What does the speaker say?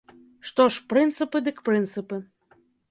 Што ж, прынцыпы дык прынцыпы.